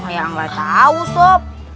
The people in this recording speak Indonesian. ya ga tau sob